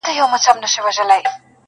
زۀ بۀ چي كله هم بېمار سومه پۀ دې بۀ ښۀ سوم